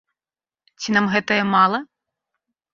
Ці нам гэтае мала?